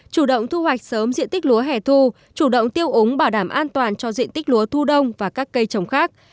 chủ động thu hoạch sớm diện tích lúa hẻ thu chủ động tiêu ống bảo đảm an toàn cho diện tích lúa thu đông và các cây trồng khác